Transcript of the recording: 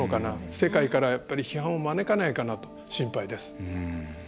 世界から批判を招かないかなと心配です。